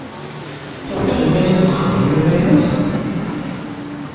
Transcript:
Tufiḍ iman-im deg uxeddim amaynut?